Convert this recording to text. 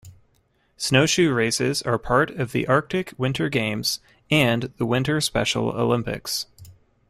Snowshoe races are part of the Arctic Winter Games and the winter Special Olympics.